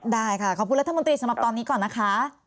ได้ค่ะขอบคุณรัฐมนตรีสำหรับตอนนี้ก่อนนะคะ